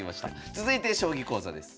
続いて将棋講座です。